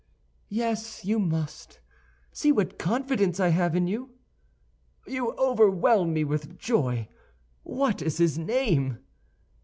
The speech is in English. "Yes, you must; see what confidence I have in you!" "You overwhelm me with joy. What is his name?"